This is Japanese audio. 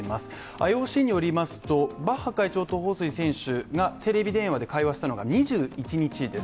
ＩＯＣによりますと、バッハ会長と彭帥選手がテレビ電話で会話したのが２１日です。